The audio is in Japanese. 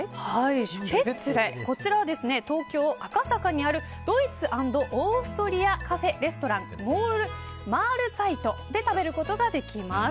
こちらは東京・赤坂にあるドイツ＆オーストリアカフェレストランマールツァイトで食べることができます。